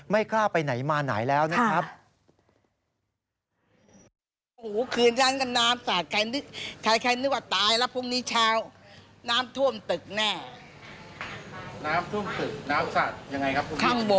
ไม่กล้าไปไหนมาไหนแล้วนะครับ